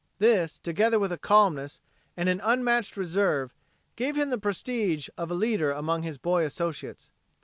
This, together with a calmness and an unmatched reserve, gave him the prestige of leader among his boy associates.